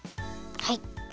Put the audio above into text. はい。